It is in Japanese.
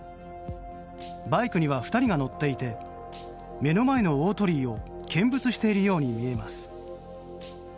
バイクには２人が乗っていて目の前の大鳥居を見物しているように見えます。